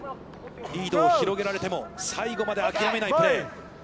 リードを広げられても、最後まで諦めないプレー。